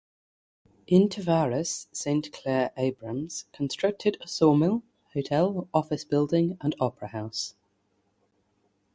In Tavares Saint Clair-Abrams constructed a sawmill, hotel, office building, and opera house.